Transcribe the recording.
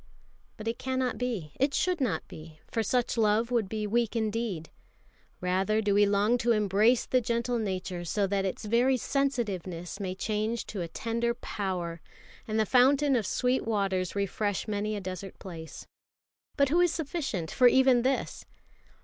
But it cannot be, it should not be, for such love would be weak indeed. Rather do we long to brace the gentle nature so that its very sensitiveness may change to a tender power, and the fountain of sweet waters refresh many a desert place. But who is sufficient for even this?